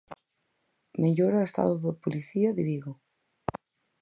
Mellora o estado do policía de Vigo.